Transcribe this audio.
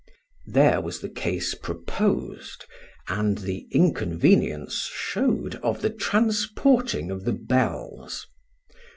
There was the case proposed, and the inconvenience showed of the transporting of the bells.